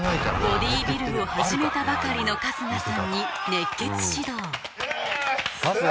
ボディービルを始めたばかりの春日さんに熱血指導春日